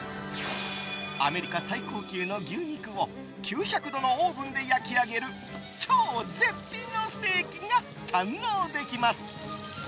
アメリカ最高級の牛肉を９００度のオーブンで焼き上げる超絶品のステーキが堪能できます。